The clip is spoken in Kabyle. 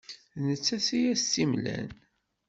D nettat i as-tt-imlan.